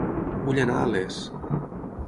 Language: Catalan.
Vull anar a Les